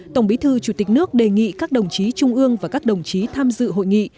tổng bí thư chủ tịch nước đề nghị các đồng chí trung ương và các đồng chí tham dự hội nghị